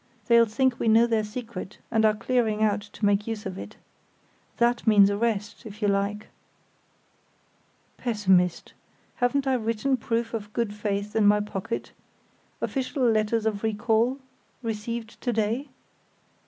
They'll think we know their secret and are clearing out to make use of it. That means arrest, if you like!" "Pessimist! Haven't I written proof of good faith in my pocket—official letters of recall, received to day?